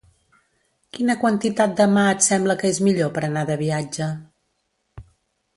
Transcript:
Quina quantitat de mà et sembla que és millor per anar de viatge?